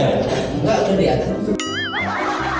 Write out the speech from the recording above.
enggak itu di atas